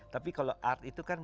tapi kalau art itu kan